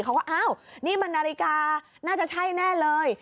เขาก็อ้าวนี่มันนาฬิกาน่าจะใช่แน่เลย